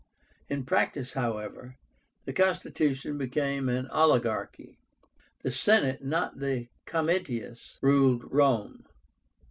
In practice, however, the constitution became an oligarchy. The Senate, not the Comitias, ruled Rome.